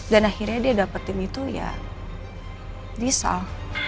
dan akhirnya dia dapetin itu ya di sal